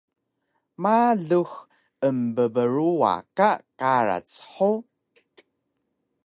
Ma lux embbruwa ka karac hug?